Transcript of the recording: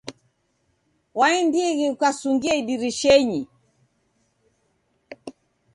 Wandieghe ukasungia idirishenyi.